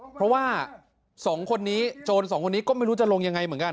เพราะว่า๒คนนี้โจรสองคนนี้ก็ไม่รู้จะลงยังไงเหมือนกัน